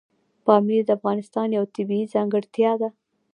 پامیر د افغانستان یوه طبیعي ځانګړتیا ده.